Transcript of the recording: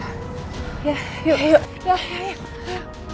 aku harus pergi dari sini tapi kayaknya aku masih dikejar sama mereka